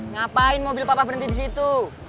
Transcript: ngapain mobil papa berhenti disitu